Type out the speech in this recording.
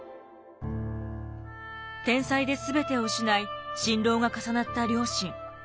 天災で全てを失い心労が重なった両親。